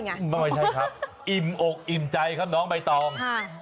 ไม่ใช่ครับอิ่มอกอิ่มใจครับน้องใบตอง